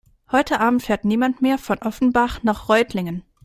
Heute Abend fährt niemand mehr von Offenbach nach Reutlingen